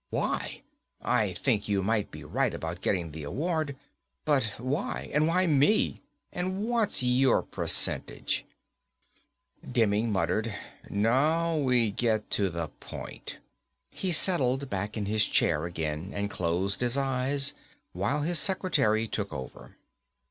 Why? I think you might be right about getting the award. But why, and why me, and what's your percentage?" Demming muttered, "Now we get to the point." He settled back in his chair again and closed his eyes while his secretary took over.